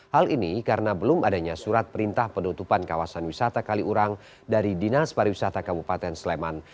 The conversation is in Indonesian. hal ini karena belum adanya surat perintah penutupan kawasan wisata kaliurang dari dinas pariwisata kabupaten sleman